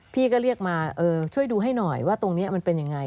พี่ก็เรียกมาช่วยดูให้หน่อยว่าตรงนี้มันเป็นยังไง